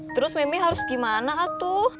terus mimi harus gimana atuh